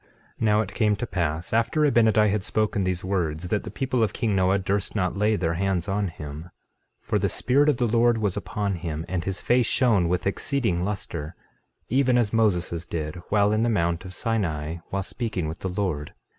13:5 Now it came to pass after Abinadi had spoken these words that the people of king Noah durst not lay their hands on him, for the Spirit of the Lord was upon him; and his face shone with exceeding luster, even as Moses' did while in the mount of Sinai, while speaking with the Lord.